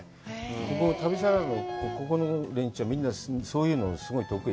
ここ、旅サラダのここの連中はみんなそういうの、すごい得意。